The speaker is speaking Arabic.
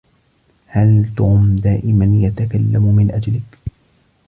هل توم دائما يتكلم من أجلك؟